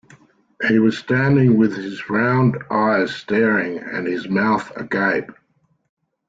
He was standing with his round eyes staring and his mouth agape.